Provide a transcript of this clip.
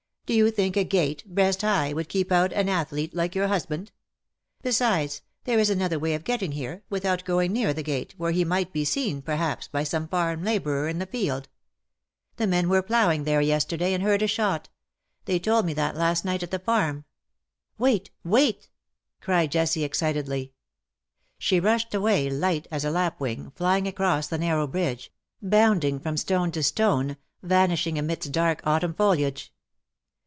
" Do you think a gate, breast high, would keep out an athlete like your husband ? Besides, there is another way of getting here, without going near the gate, where he might be seen, perhaps, by some farm labourer in the field. The men were ploughing DUEL OR MURDER? 63 there yesterday, and heard a shot. They told me that last night at the farm. Wait ! wait V' cried Jessie, excitedly. She rushed away, light as a lapwing, flying across the narrow bridge — bounding from stone to stone — vanishing amidst dark autumn foliage.